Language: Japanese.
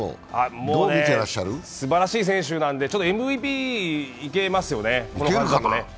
もうすばらしい選手なんでＭＶいけますよね。